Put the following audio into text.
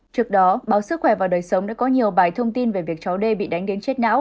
trước đó báo sức khỏe và đời sống đã có nhiều bài thông tin về việc cháu đê bị đánh đến chết não